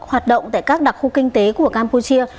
hoạt động tại các đặc khu kinh tế của campuchia